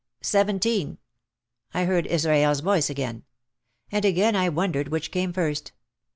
"17" I heard Israel's voice again. And again I wondered which came first.